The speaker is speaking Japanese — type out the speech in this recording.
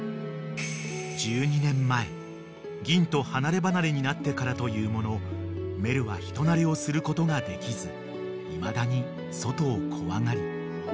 ［１２年前ぎんと離れ離れになってからというものメルは人なれをすることができずいまだに外を怖がり］